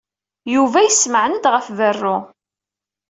Yuba yessemɛen-d ɣef berru.